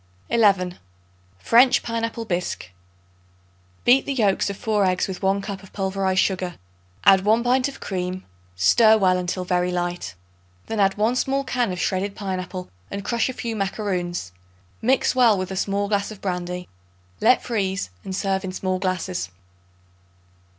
11. French Pineapple Bisque. Beat the yolks of 4 eggs with 1 cup of pulverized sugar; add 1 pint of cream; stir well until very light. Then add 1 small can of shredded pineapple and crush a few macaroons. Mix well with a small glass of brandy. Let freeze and serve in small glasses.